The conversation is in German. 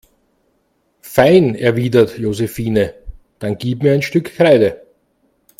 Fein, erwidert Josephine, dann gib mir ein Stück Kreide.